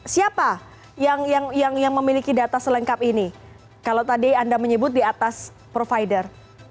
siapa yang memiliki data selengkap ini kalau tadi anda menyebut di atas provider